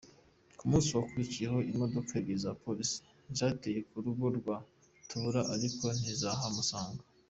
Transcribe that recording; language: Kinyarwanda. Ku munsi wakurikiye, imodoka ebyiri za polisi zateye ku rugo rwa Tabura ariko ntizahamusanga.